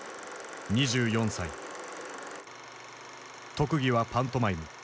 特技はパントマイム。